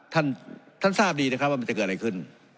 ท่านท่านทราบดีนะครับว่ามันจะเกิดอะไรขึ้น